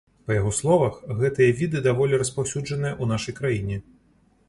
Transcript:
Па яго словах, гэтыя віды даволі распаўсюджаныя ў нашай краіне.